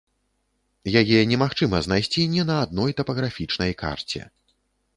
Яе немагчыма знайсці ні на адной тапаграфічнай карце.